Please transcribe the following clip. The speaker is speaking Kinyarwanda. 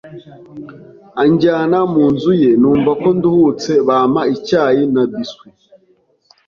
Anjyana munzu ye numva ko nduhutse bampa icyayi na biscuits